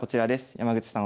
山口さん